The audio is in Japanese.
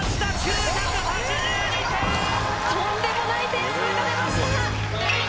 とんでもない点数が出ました！